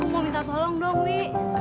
mau minta tolong dong wi